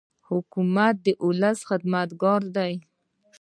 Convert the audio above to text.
حکومت د ولس خدمتګار دی.